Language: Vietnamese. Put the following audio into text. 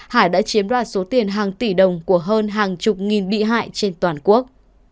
hải đã chiếm đoạt số tiền hàng tỷ đồng của hơn hàng chục nghìn bị hại trên toàn quốc